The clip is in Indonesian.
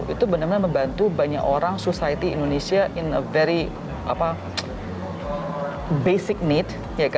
itu benar benar membantu banyak orang society indonesia in a very basic need